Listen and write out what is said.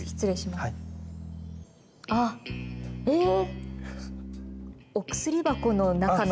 あっ、ええ！